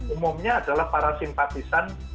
umumnya adalah para simpatisan